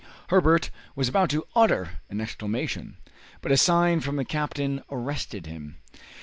Herbert was about to utter an exclamation, but a sign from the captain arrested him.